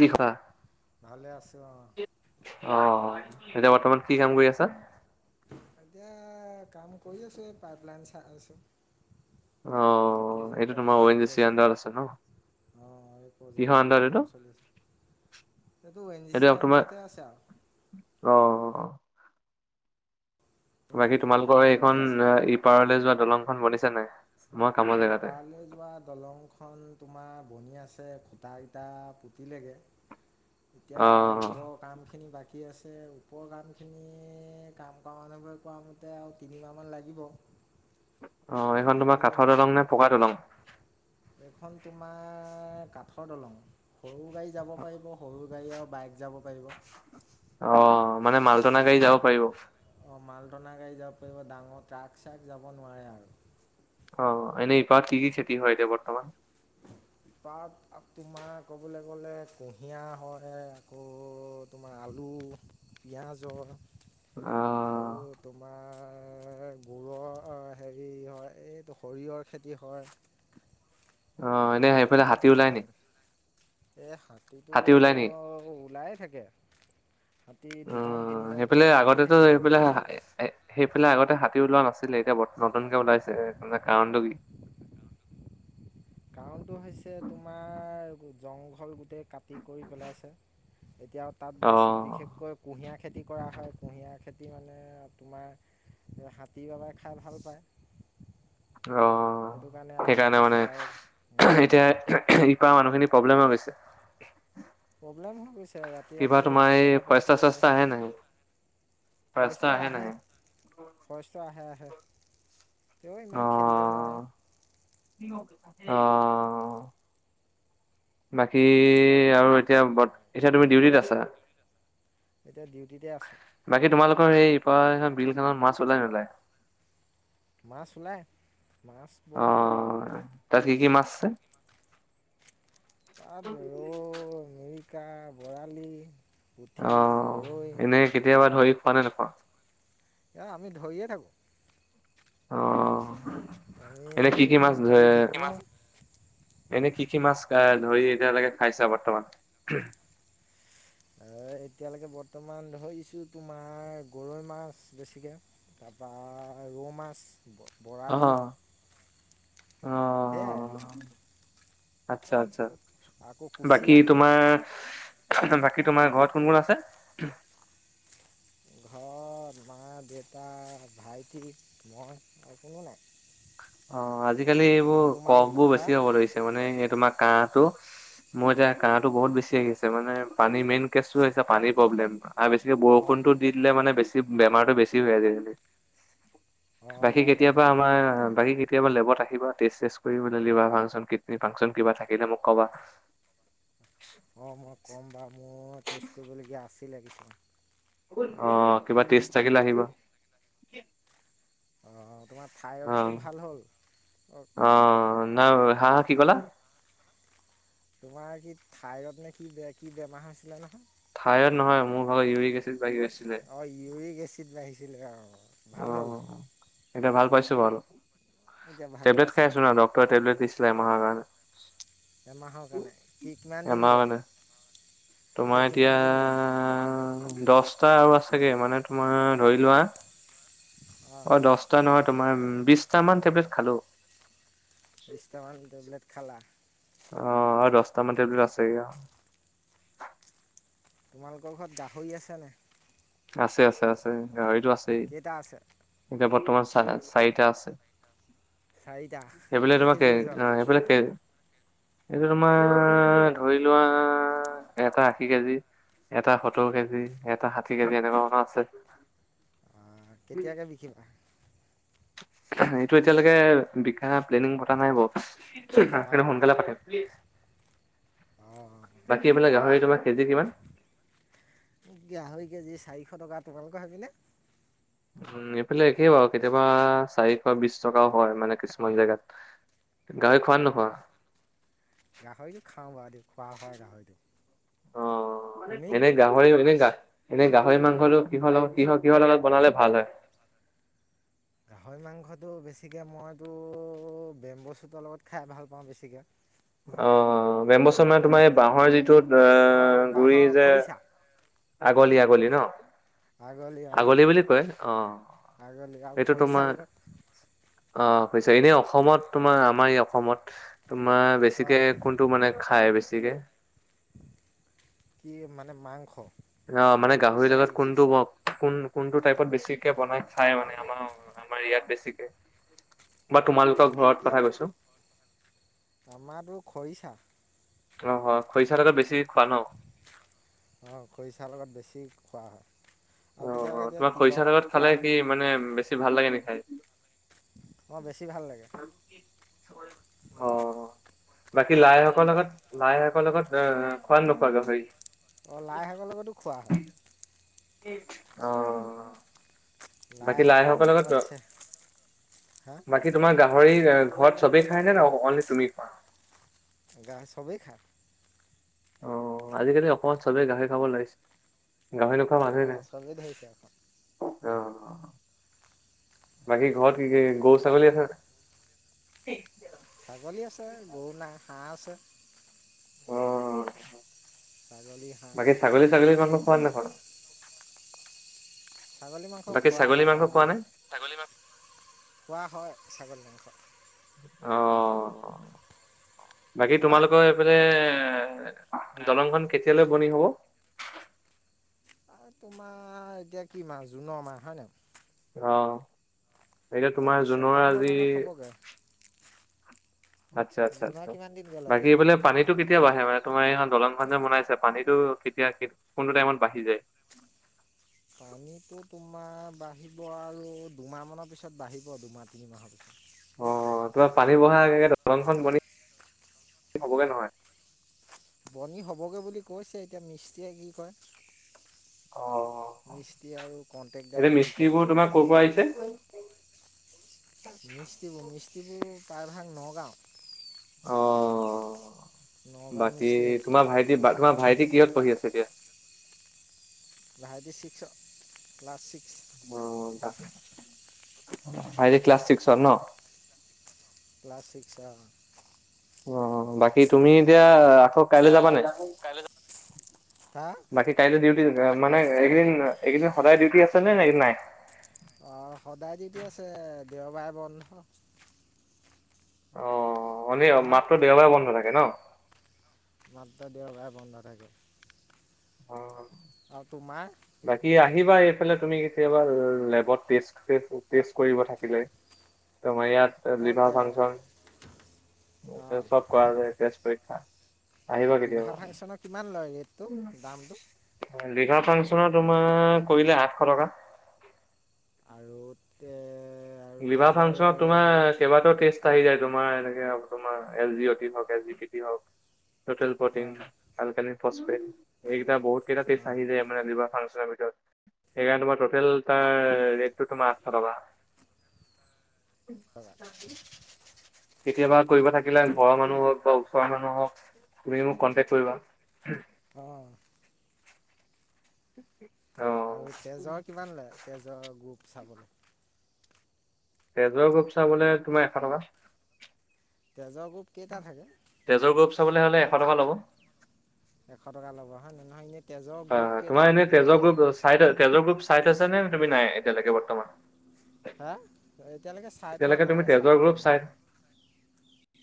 কি খোৱা? ভালে আছো, অঁ'। অঁ' এতিয়া বৰ্তমান কি কাম কৰি আছা? এতিয়া কাম কৰি আছোঁ এই পাইপলাইন চাই আছোঁ। অ এইটো প্ৰজেক্টৰ তোমাৰ কাম অ এন জি চলি চি আছে। আণ্ডাৰত ন অ', এই কিহৰ আণ্ডাৰত প্ৰজেক্টৰ এইটো কাম চলি আছে সেইটো এন জি চিৰ আন্দাৰতে আছে আউ অহ', তুমি বাকী এতিয়া তোমালোকৰ কামৰ জেগাতে এইখন আছে এ ইপাৰলে যোৱা দলং খন বনিছে নাই? মই কামৰ অ', জেগাতে ইপাৰলে যোৱাত দলংখন তোমাৰ বনি আছে, খুটা কেইটা, পুটিলেগে। এতিয়া অ ওপৰৰ কামখিনি বাক কী আছে ওপৰৰ কামখিনি কাম কৱা মানুহবোৰে কোৱা মতে আৰু তিনিমাহ মান লাগিব। অ', আৰু এইখন তোমাৰ সেইখিনি কাঠৰ দলং নে? পকা দলং। এইখন তোমাৰ কাঠৰ দলং, সৰু গাড়ী যাব পাৰিব সৰু গাড়ী আও বাইক যাব পাৰিব। অ', মানে মালটনা গাড়ী যাব পাৰিব? অ', মালটনা গাড়ী যাব পাৰিব ডাঙৰ ট্ৰাক চ্ৰাক যাব নোৱাৰে আৰু, অ', এনেই ইপাৰত কি কি খেতি হয় এতিয়া বৰ্তমান? ইপাৰত আ তোমাৰ ক'বলৈ গ'লে কুঁহিয়াৰ হয় আকৌ তোমাৰ আলু, পিঁয়াজ হয়। আ আৰু তোমাৰ গুৰৰ অ হেৰি হয় এই সৰিয়হৰ খেতি হয়। অ এনে বহুত সেইফালে হাতী খেতি হয় ওলাই নি তাতে, ধেৰ শাক যিটো হাতী অ, ওলাই থাকে। হাতী দুজন অ' তিনিজন সেইফালে তেনেকৈ আহিয়ে আগতেটো থাকে হাতী সেইফালে সেইফালে আগতে হাতী ওলোৱা নাছিলে এতিয়া ব নতুনকে ওলাইছে তে কাৰণটো কি? কাৰণটো হৈছে তোমাৰ জংঘল গোটেই কাট খেতি কৰি পেলাইছে, এতিয়া আৰু তাত বেছি অ', বিশেষকৈ কুঁহিয়াৰ খেতি কৰা হয় কুঁহিয়াৰ খেতি মানে তোমাৰ সেইয়া হাতী বাবাই খাই ভাল পায়। সেইটো কাৰণে অ', আহে সেইকাৰণে মানে, বেছিকৈ আৰু এতিয়া সেই খেতি কৰা মানুহখিনি প্ৰব্লেম্ হৈ গৈছে। প্ৰব্লেম হৈ গৈছে ইয়াত ৰাতি ইপাৰ ৰাতি তোমাৰ এই শুবলে নেপায় ফৰেষ্টাৰ তেনেকুৱা চৰেষ্টাৰ আহে নাহে? হৈছে ফয়েচ ফৰেষ্টাৰ ট আহে। নাহে? ফৰেচটো আহে আহে, তেওঁ ইমান খেদিব নোৱাৰে। অ', অ' বাকী এতিয়া আৰু এতিয়া বট, এতিয়া তুমি ডিউটিত আছা? এতিয়া ডিউটিতে আছোঁ। বাকী তোমালোকৰ সেই ইপা বিল খনত মাছ ওলাই নোলায়? মাছ ওলাই, মাছ বহুত পৰে আউ অ', বিল তাত কি কি মাছ আছে? তাত ৰৌ, মিৰিকা, বৰালি, পুঠি, অ', গৰৈ এনে কেতিয়াবা ধৰি খোৱা নে নোখোৱা? এ, আমি ধৰিয়ে থাকোঁ। অ'। ধৰি এ, এনে কি কি ধৰি মাছ থাকো ধৰে ধৰি বিক্ৰী এনে কি কি মাছ এ ধৰি এতিয়ালেকে খাইছা বৰ্তমান? এ এতিয়ালৈকে বৰ্তমান ধৰিছোঁ তোমাৰ গৰৈ মাছ বেছিকে তাপা ৰৌ মাছ। বৰালি, অ', অ'। সেয়াই। আচ্ছা, আচ্ছা, আকৌ বাকী কুচিয়া তোমাৰ বাকী তোমাৰ ঘৰত কোন কোন আছে? ঘৰত মা, দেউতা, ভাইটি, মই আৰু কোনো নাই। অ' আজিকালি এইবোৰ আৰু তোমালোক কফবোৰ হা বেছি হ'ব ধৰিছে, মানে এই তোমাৰ কাহটো। মোৰ এতিয়া কাহটো বহুত বেছি আহি আছে, মানে পানীৰ মেইন কেচটো হৈছে পানীৰ প্ৰব্লেম। আৰু বেছিকে অঁ বৰষুণটো দি দিলে মানে বেছি বেমাৰটো বেছি হৈ আজি কালি। অঁ বাকী হয় বাৰু কেতিয়াবা আমাৰ বাকী কেতিয়াবা লেবত আহিবা, টেষ্ট চেষ্ট কৰিবলে লিভাৰ ফাংচন, কিডনী ফাংচন কিবা থাকিলে মোক ক'বা। অঁ মই ক'ম বাও, মোৰ টেষ্ট কৰিবলগীয়া আছিলে কিছুমান। অ' কিবা টেষ্ট থাকিলে আহিবা। অঁ তোমাৰ অ থাইৰডটো ভাল হ'ল? নাই, হা কি কলা? তোমাৰ কি থাইৰড নে কি বে, কি বেমাৰ হৈছিলে নহয়? থাইৰড নহয়, মোৰ ভাগৰ ইউৰিক এচিড বাঢ়ি গৈছিলে। অঁ ইউৰিক এচিড বাহিছিলে অ', অ ভাল হ'ল? এতিয়া ভাল পাইছো বাৰু। এতিয়া ভাল টেবলেট পাইছা খাই আছোঁ ন, ডক্টৰে টেবলেট দিছিলে এমাহৰ কাৰণে। এমাহৰ কাৰণে কি কিমান দিন এমাহৰ গ'ল? কাৰণে তোমাৰ এতিয়া কিমান দিন গ'ল দশ। টা আৰু আছেগে মানে তোমাৰ ধৰি লোৱা। অঁ অ' দহটা নহয় তোমাৰ বিশটা মান খালোঁ। বিছটামান টেবলেট খালা। অ' আৰু দহটা মান টেবলেট আছেগে আৰু। তোমালোকৰ ঘৰত গাহৰি আছেনে? আছে, আছে, আছে, গাহৰিতো আছেই, কেইটা আছে এতিয়া বৰ্তমান চা চাৰিটা আছে। চাৰিটা সেইফালে কেই তোমাক কে কেজি ওজনৰ সেইফালে কে এইটো তোমাৰ ধৰি লোৱা, এটা আশী কেজি। এটা সত্তৰ কেজি, এটা ষাঠি কেজি মানৰ আছে। কেতিয়াকে বিকিবা? এইটো এতিয়ালৈকে বিক্ৰা প্লেনিং পতা নাই বাও। ভাত কেইটা অঁ সোনকালে পাতিম, প্লিজ। অ' অ'। বাকী এইফালে গাহৰি তোমাৰ কেজি কিমান? গাহৰি কেজি চাৰিশ টকা, তোমালোকৰ সেপিনে? উম' এফালে একেই বাৰু, কেতিয়াবা চাৰিশ বিশ টকাও হয় মানে কিছুমান জেগাত। গাহৰি খোৱা নে নোখোৱা? গাহৰিটো খাওঁ বাৰু দে, খোৱা হয় গাহৰিটো। তুমি অ' এনে গাহৰি, এনে গাহৰি মাংসটো কিহৰ লগত কিহৰ কিহৰ লগত বনালে ভাল হয়? গাহৰি মাংসটো বেছিকে মইতো, বেম্ব' চুতৰ লগত খাই ভাল পাওঁ বেছিকে। অ' বেম্ব' চুত মানে তোমাৰ এই বাঁহৰ যিটো অঁ এ গুৰি বাঁহৰ যে। খৰিচা আগলি আগলি ন? আগলি বুলি কয়, অ', আগলি আৰু সেইটো খৰিচা তোমাৰ। লগত অ' পিছে, এনে অসমত তোমাৰ আমাৰ এই অসমত তোমাৰ বেছিকে অঁ কোনটো মানে খায় বেছিকে? কি মানে মাংস? অঁ! মানে গাহৰিৰ নে লগত কি কোনটো ব কোন কোনটো টাইপত বেছিকে বনাই খাই মানে আমাৰ আমাৰ ইয়াত বেছিকে। বা তোমালোকৰ ঘৰত কথা এতিয়াতো কৈছো [unintelligible] আমাৰতো খৰিচা। অঁ হয়। খৰিচা লগত বেছি খোৱা ন? অঁ! খৰিচাৰ লগত বেছি খোৱা হয় অ আৰু কেতিয়াবা-কেতিয়াবা তোমাৰ খৰিচা তিলৰ লগত খালে খোৱা কি হয়। মানে বেছি ভাল লাগে নে খাই? অঁ বেছি ভাল লাগে অ! বাকী লাই শাকৰ লগত লাই শাকৰ লগত এ খোৱা নে নোখোৱা গাহৰি? অঁ! লাই শাকৰ লগতো খোৱা হয়। অঁ! বাকী লাই শাকৰ লগত হা বাকী তোমাৰ গাহৰি ঘৰত চবেই খাইনে নে অনলি তুমি খোৱা? গা চবেই খায়। অঁ! আজিকালি অসমত চবে গাহৰি খাব লাগিছে। গাহৰি ন নোখোৱা মানুহেই অঁ নাই। চবেই ধৰিছে আকৌ অ! বাকী ঘৰত কি-কি গৰু, ছাগলী আছে নাই? ছাগলী আছে, গৰু নাই, হাঁহ আছে। ছাগলী হাঁহ বাকী আছে ছাগলী-থাগলী মাংস খোৱা নে নোখোৱা? ছাগলী মাংস বাকী খোৱা ছাগলী হয় মাংস বাৰু খোৱা দেই। নে? ছাগলী মাংস খোৱা হয় ছাগলী মাংস। অঁ! বাকী তোমাৰ তোমালোকৰ সেইফালে দলংখন কেতিয়ালৈ বনি হ'ব? এই তোমাৰ এতিয়া কি মাহ জুনৰ মাহ হয় নাই? অঁ! এতিয়া তোমাৰ জুনৰ ছেপ্টেম্বৰ আজি মানত হ'বগৈ জুনৰ আচ্ছা-আচ্ছা-আচ্ছা, কিমান দিন গ'ল বাকী আজি এইফালে পানীত টো কেতিয়া বাঢ়ে মানে তোমাৰ এইখন দলংখন যে বনাইছে পানীটো কেতিয়া কোনটো টাইমত বাঢ়ি যায়? পানীটো তোমাৰ বাঢ়িব আৰু দুমাহ মানৰ পিছত বাঢ়িব দুমাহ, তিনিমাহৰ পিছত। অঁ! তোমাৰ পানী বঢ়াৰ আগে-আগে দলংখন বনি হ'বগে নহয়? বনি হ'বগে বুলি কৈছে। এতিয়া মিস্ত্ৰীয়ে কি কয়? মিস্ত্ৰী আৰু এতিয়া কণ্টেকদাৰে কি কয়। [unintelligible] তোমাৰ ক'ৰ পৰা আহিছে? মিস্ত্ৰীবোৰ-মিস্ত্ৰীবোৰ প্ৰায়ভাগ নগাঁওৰ। অঁ! নগাঁও বাকী মিস্ত্ৰী আহিছে তোমাৰ ভাইটি বা তোমাৰ ভাইটি কিহত পঢ়ি আছে এতিয়া? ভাইটি ছিক্সত, ক্লাছ ছিক্স। অঁ! ভাইটি ক্লাছ চিক্সত ন? ক্লাছ চিক্সৰ অঁ। অঁ! বাকী তুমি এতিয়া আকৌ কাইলে যাবা নাই? হা বাকী কাইলৈ ডিউটি মানে এইকেইদিন-এইকেইদিন সদায় ডিউটি আছে নে নে নাই? অঁ! সদায় ডিউটি আছে, দেওবাৰে বন্ধ। অ! শনি অ তোমাৰ মাত্ৰ দেওবাৰে বন্ধ থাকে ন? মাত্ৰ দেওবাৰে বন্ধ থাকে। [inaudible] আৰু তোমাৰ? বাকী আহিবা এইফালে তুমি কেতিয়াবা লেবত টেষ্ট-টেষ্ট কৰিব থাকিলে। তোমাৰ ইয়াত অঁ লিভাৰ তে ফাংচন অঁ [unintelligible] চব কৰা যায় তেজ পৰীক্ষা। আহিবা লিভা কেতিয়াবা। ফাংচনৰ কিমান লয় ৰেটটো দামটো? লিভাৰ ফাংচনৰ তোমাৰ কৰিলে আঠশ টকা। আৰু তে আৰু লিভাৰ তেজৰ ফাংচনত হেৰি তোমাৰ কেইবাটাও টেষ্ট আহি যায় তোমাৰ এনেকে তোমাৰ এল জি অটি হক ছেট জি পি টি হওক টোটেল প্ৰটিন অঁ কালকালিন ফচপেট এইকেইটা বহুত কেইটা তেষ্ট অঁ আহি যায়। মানে লিভাৰ ফাংচনৰ ভিতৰত, সেইকাৰণে তোমাৰ টোটেল তাৰ ৰেটটো তোমাৰ আঠশ টকা। টকা কেতিয়াবা কৰিব থাকিলে ঘৰৰ মানুহ হওক বা ওচৰৰ মানুহ হওক তুমি মোক কণ্টেক্ট কৰিবা। অ। [inaudible] আৰু তেজৰ কিমান লয় তেজৰ গ্ৰুপ চাবলৈ? তেজৰ গ্ৰুপ চাবলে তোমাৰ এশ টকা। তেজৰ গ্ৰুপ কেইটা থাকে? তেজৰ গ্ৰুপ চাবলৈ হ'লে এশ টকা ল'ব। এশ টকা ল'ব হয় ন এনেই তেজৰ গ্ৰুপ কেইটা যেনেকে চাৰিটা, তেজৰ গ্ৰুপ চাই থৈছনে তুমি নাই এতিয়ালৈকে বৰ্তমান? হা এতিয়ালৈকে চাই থোৱা এতিয়ালৈকে নাই তুমি চাব তেজৰ গ্ৰুপ লাগিব। চাই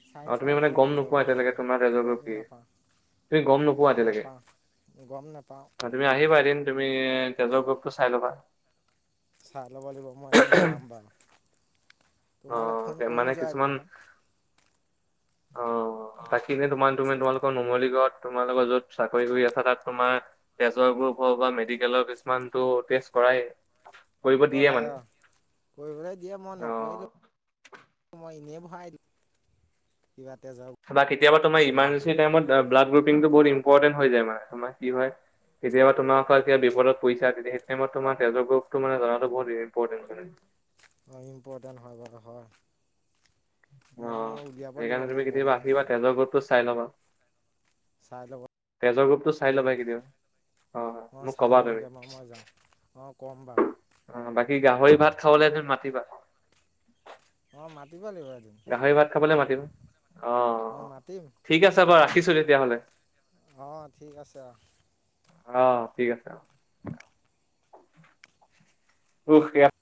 চাই অ তুমি থোৱা মানে নাই গম তেজৰ নোপোৱা গ্ৰুপ তোমাৰ এতিয়ালৈকে, তেজৰ গ্ৰুপ গম কি নাপাওঁ। তুমি অঁ নোপোৱা গম এতিয়ালৈকে নাপাওঁ গম নাপাওঁ। তুমি আহিবা এদিন তুমি তেজৰ গ্ৰপটো চাই ল'বা। চাই ল'ব লাগিব মই এদিন যাম বাৰু, অ তোমালৈ ফোন মানে কৰিম যোৱা কিছুমান দিনাখন। অ অঁ বাকী এনে তোমাৰ তুমি তোমালোক ক নুমলীগড়ত তোমাৰ লগত য'ত চাকৰি কৰি আছা তাত তোমাৰ তেজৰ গ্ৰুপ হওক বা মেডিকেলৰ কিছুমানটো টেষ্ট কৰায় কৰিব দিয়ে কৰাই মানে। অঁ কৰিবলৈ দিয়ে মই অ'। নকৰিলোঁ, মই এনেই ভৰাই দিও। কিবা তেজৰ বা কেতিয়াবা তোমাৰ গ্ৰুপ এটা ইমাৰজেঞ্চি টাইমত ব্লাড গ্ৰুপিংটো বহু ইম্পৰ্টেণ্ট হৈ যায় মানে, তোমাৰ কি হয় কেতিয়াবা তোমালোকৰ কিবা বিপদত পৰিছা তেতিয়া সেইটো টাইমত তোমাৰ তেজৰ গ্ৰপটো মানে জনাটো বহুত ইম্পৰ্টেণ্ট। [unintelligible] হয় ইম্পৰ্টেণ্ট হয় বাৰু হয়। অ', মই উলিয়াব লাগিব মই গম নাপাওঁ। টো চাই ল'বা, চাই ল'ব তেজৰ গ্ৰুপটো চাই ল'বা লাগিব এইকেদিনত। অঁ চাই ল'মগৈ বাৰু মই যাম, অঁ কম বাৰু। অ বাকী গাহৰি ভাত খাবলৈ এদিন মাতিবা। অ মাতিব লাগিব এদিন। গাহৰি ভাত খাবলে মাতিম, অ অঁ মাতিম ঠিক আছে বাৰু ৰাখিছো তেতিয়াহ'লে। অঁ ঠিক আছে অ। অহ ঠিক আছে অ। [unintelligible]